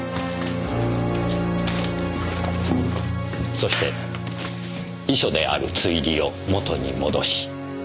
そして遺書である『堕栗花』を元に戻し。